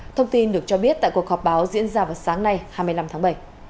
thông tin được cho biết tại cuộc họp báo diễn ra vào sáng nay hai mươi năm tháng bảy